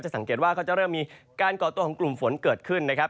สังเกตว่าเขาจะเริ่มมีการก่อตัวของกลุ่มฝนเกิดขึ้นนะครับ